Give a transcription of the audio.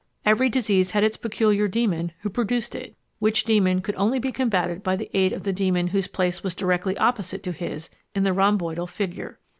Every disease had its peculiar demon who produced it, which demon could only be combated by the aid of the demon whose place was directly opposite to his in the rhomboidal figure.